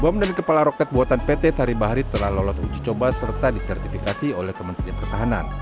bom dan kepala roket buatan pt sari bahri telah lolos uji coba serta disertifikasi oleh kementerian pertahanan